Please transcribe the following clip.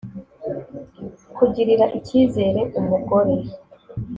Kugirira ikizere umugore